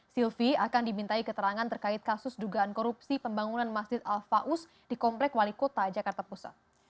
silvi akan dimintai keterangan terkait kasus dugaan korupsi pembangunan masjid al faus di komplek wali kota jakarta pusat